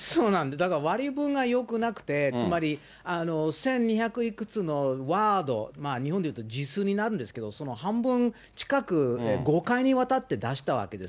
だから、がよくなくて、つまり、千二百いくつのワード、日本で言うと、字数になるんですけど、その半分近く、５回にわたって出したわけです。